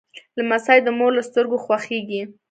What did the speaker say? لمسی د مور له سترګو خوښیږي.